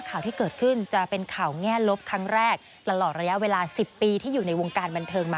แล้วก็ขอบคุณเรนเดลด้วยที่แบบ